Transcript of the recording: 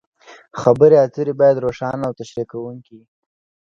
خبرې اترې باید روښانه او تشریح کوونکې وي.